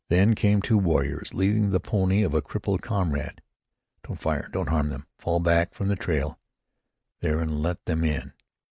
Then came two warriors, leading the pony of a crippled comrade. "Don't fire Don't harm them! Fall back from the trail there and let them in.